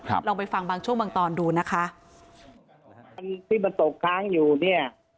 ลองไปฟังบางช่วงบางตอนดูนะคะอันที่มันตกค้างอยู่เนี้ย